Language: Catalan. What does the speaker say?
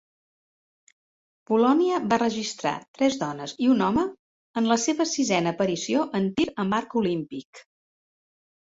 Polònia va registrar tres dones i un home en la seva sisena aparició en tir amb arc olímpic.